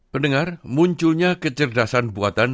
pendengar munculnya kecerdasan buatan